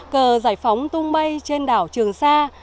cờ giải phóng tung bay trên đảo trường sa